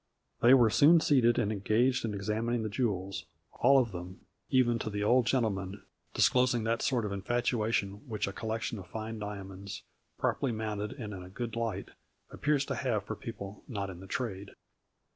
They were soon seated and engaged in ex amining the jewels, all of them, even to the old gentleman, disclosing that sort of infatuation which a collection of fine diamonds, properly mounted and in a good light, appears to have for people not in the trade.